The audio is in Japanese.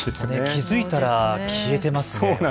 気付いたら消えていますね。